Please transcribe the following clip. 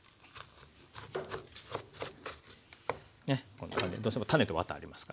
こんな感じでどうしても種とワタありますからね。